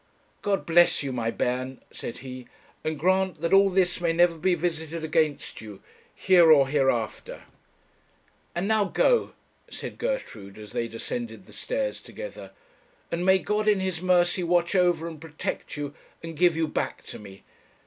'God bless you, my bairn,' said he, 'and grant that all this may never be visited against you, here or hereafter!' 'And now go,' said Gertrude, as they descended the stairs together, 'and may God in His mercy watch over and protect you and give you back to me!